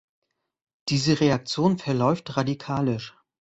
Diese Reaktion verläuft radikalisch.